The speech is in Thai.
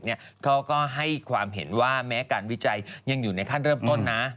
เขาก็ให้ความเห็นว่าแม้การวิจัยยังอยู่ในขั้นเริ่มต้นนะ